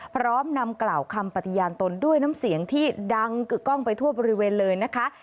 พร้อมนำกล่าวคำปฏิญาณตนด้วยน้ำเสียงที่ดังกึกกล้องไปทั่วบริเวณเลยนะคะ